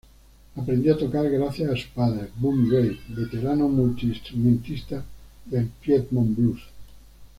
Aprendió a tocar gracias a su padre, Boone Reid, veterano multiinstrumentista del Piedmont blues.